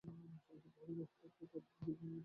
মুসলমান প্রহরীরা তৎক্ষণাৎ তাদের ঘিরে ফেলে।